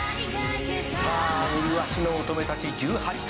「さあ麗しの乙女たち１８頭」